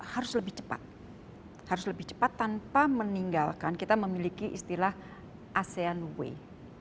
harus lebih cepat harus lebih cepat tanpa meninggalkan kita memiliki istilah asean way